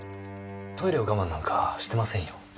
トイレを我慢なんかしてませんよ。